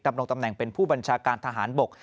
ดำรงตำแหน่งเป็นผู้บัญชาการทหารบก